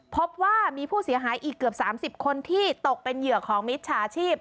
พบว่ามีผู้เสียหายอีกเกือบ๓๐คนที่ตกเป็นเหยื่อของมิจฉาชีพ